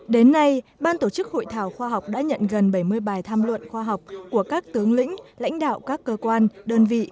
đến nay ban tổ chức hội thảo khoa học đã nhận gần bảy mươi bài tham luận khoa học của các tướng lĩnh lãnh đạo các cơ quan đơn vị